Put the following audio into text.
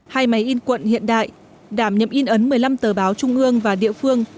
hai máy in quận hiện đại đảm nhậm in ấn một mươi năm tờ báo trung ương và địa phương